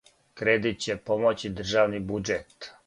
Кредит ће помоћи државни буџет.